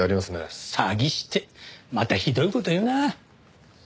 詐欺師ってまたひどい事言うなあ。